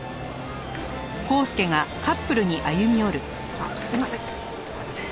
あっすいませんすいません。